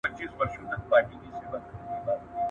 سبزېجات د مور له خوا تيار کيږي!